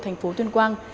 thành phố tuyên quang